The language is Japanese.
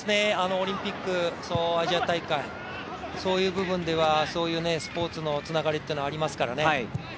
オリンピック、アジア大会、そういう部分ではスポーツのつながりというのはありますからね。